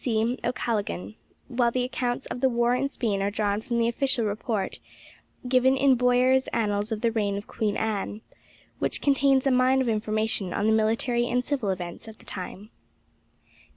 C. O'Callaghan; while the accounts of the war in Spain are drawn from the official report, given in Boyer's Annals of the Reign of Queen Anne, which contains a mine of information of the military and civil events of the time.